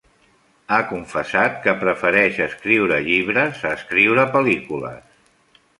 Ha confessat que prefereix escriure llibres a escriure pel·lícules.